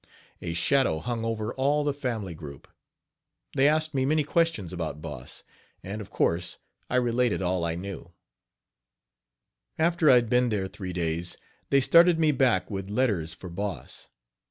A shadow hung over all the family group. They asked me many questions about Boss, and, of course, I related all I knew. After I had been there three days, they started me back with letters for Boss.